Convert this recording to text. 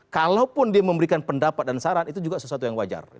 kalaupun dia memberikan pendapat dan saran itu juga sesuatu yang wajar